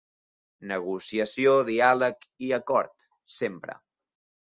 Negociació, diàleg i acord, sempre.